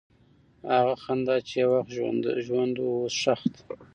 هغه خندا چې یو وخت ژوند وه، اوس ښخ ده.